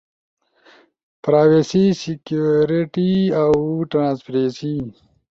پراویسی، سیکیوریٹی اؤ ٹرانسپریسی۔